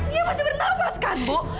dia masih bernafas kan bu